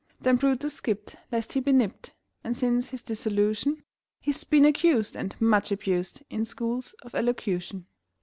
Then Brutus skipped lest he be nipped And since his dissolution He's been accused and much abused In schools of elocution.